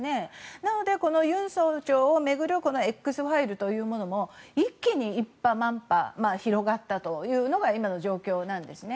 なのでユン総長を巡るＸファイルというものも一気に広がったというのが今の状況なんです。